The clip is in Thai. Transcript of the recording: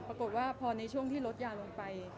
ปรากฏว่าพอในช่วงที่ลดยาลงไป